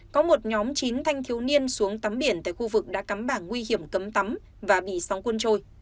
có một nhóm chín thanh thiếu niên xuống tắm biển tại khu vực đã cắm bảng nguy hiểm cấm tắm và bị sóng quân trôi